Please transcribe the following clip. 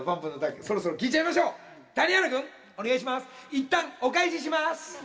いったん、お返しします。